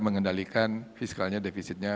mengendalikan fiskalnya defisitnya